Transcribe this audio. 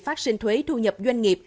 phát sinh thuế thu nhập doanh nghiệp